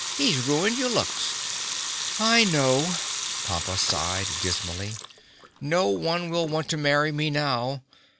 He's ruined your looks." "I know!" Pompa sighed dismally. "No one will want to marry me now.